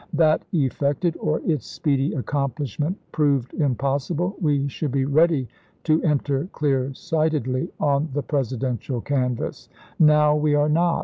That effected, or its speedy accomplishment proved impossible, we should be ready to enter clear sightedly on the Presidential canvass. Now we are not.